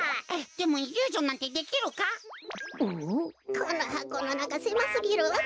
このはこのなかせますぎるわべ。